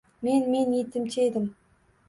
Men, men yetimcha edim.